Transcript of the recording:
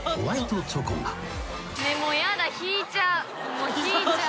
もう引いちゃう。